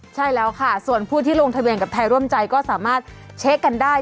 ใช่แล้วค่ะส่วนผู้ที่ลงทะเบียนกับไทยร่วมใจก็สามารถเช็คกันได้